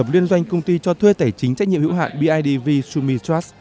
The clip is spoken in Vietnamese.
liên doanh công ty cho thuê tài chính trách nhiệm hữu hạn bidv summitrax